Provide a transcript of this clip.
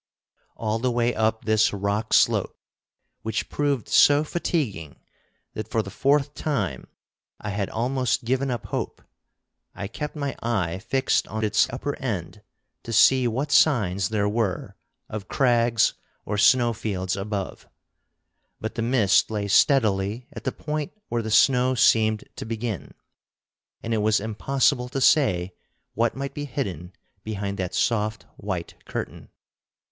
All the way up this rock slope, which proved so fatiguing that for the fourth time I had almost given up hope, I kept my eye fixed on its upper end to see what signs there were of crags or snow fields above. But the mist lay steadily at the point where the snow seemed to begin, and it was impossible to say what might be hidden behind that soft white curtain.